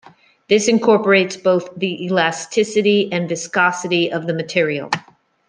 This incorporates both the elasticity and viscosity of the material.